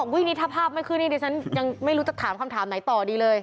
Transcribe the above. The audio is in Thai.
วิ่งนี้ถ้าภาพไม่ขึ้นนี่ดิฉันยังไม่รู้จะถามคำถามไหนต่อดีเลย